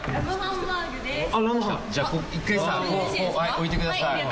置いてください。